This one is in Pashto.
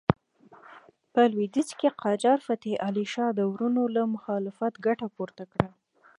په لوېدیځ کې قاجار فتح علي شاه د وروڼو له مخالفتونو ګټه پورته کړه.